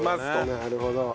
なるほどね。